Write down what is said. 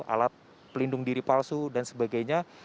alat pelindung diri palsu dan sebagainya